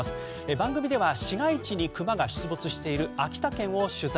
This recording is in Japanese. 番組では市街地にクマが出没している秋田県を取材。